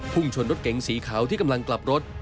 ชนรถเก๋งสีขาวที่กำลังกลับรถ